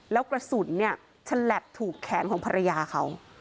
แล้วกระสุนเนี่ยฉลับถูกแขนของภรรยาเขา